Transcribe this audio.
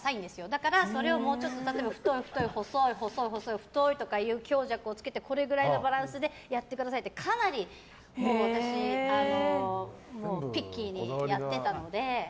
だからそれを太い、細い、太いっていう強弱をつけて、このくらいのバランスでやってくださいってかなり私ピッキーにやってたので。